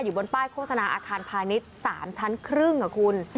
บนป้ายโฆษณาอาคารพาณิชย์๓ชั้นครึ่งค่ะคุณ